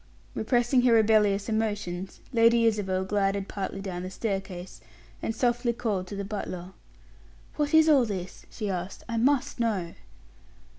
Repressing her rebellious emotions, Lady Isabel glided partly down the staircase, and softy called to the butler. "What is all this?" she asked. "I must know."